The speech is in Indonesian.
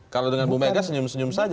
kalau dengan bu mega senyum senyum saja